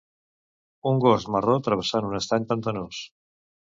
Un gos marró travessant un estany pantanós.